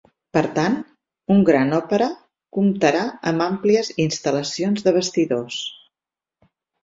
Per tant, un gran òpera comptarà amb àmplies instal·lacions de vestidors.